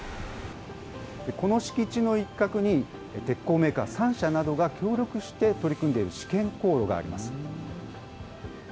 この敷地の一角に、鉄鋼メーカー３社などが協力して取り組んでいる試験高炉があります。